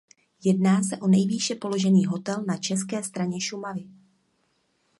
Jedná se o nejvýše položený hotel na české straně Šumavy.